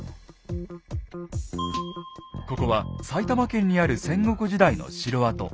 ここは埼玉県にある戦国時代の城跡。